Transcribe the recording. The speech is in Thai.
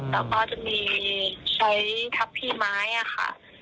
แล้วก็จะมีใช้ทับที่ไม้ค่ะ